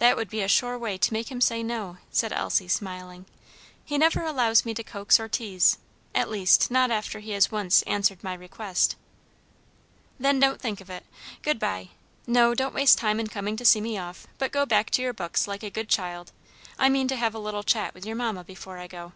"That would be a sure way to make him say no," said Elsie, smiling; "he never allows me to coax or tease; at least, not after he has once answered my request." "Then don't think of it. Good bye. No, don't waste time in coming to see me off, but go back to your books like a good child. I mean to have a little chat with your mamma before I go."